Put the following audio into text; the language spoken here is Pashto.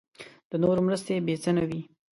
د نورو مرستې بې څه نه وي.